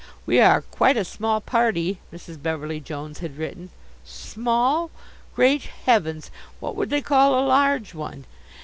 "We are quite a small party," Mrs. Beverly Jones had written. Small! Great heavens, what would they call a large one?